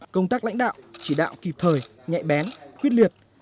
công tác lãnh đạo chỉ đạo kịp thời nhẹ bén khuyết liệt